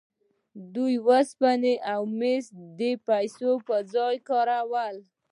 دوی مس او اوسپنه د پیسو پر ځای کارول.